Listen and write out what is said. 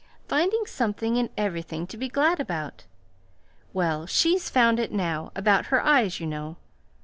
Finding something in everything to be glad about. Well, she's found it now about her eyes, you know.